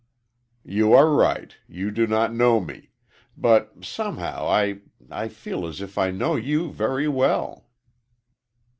"You are right you do not know me. But, somehow, I I feel as if I knew you very well."